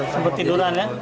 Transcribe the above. sempat tiduran ya